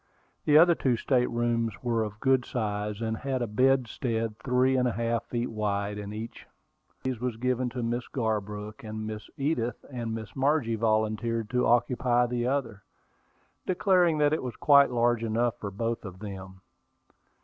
The other two state rooms were of good size, and had a bedstead three and a half feet wide in each. One of these was given to Miss Garbrook, and Miss Edith and Miss Margie volunteered to occupy the other, declaring that it was quite large enough for both of them.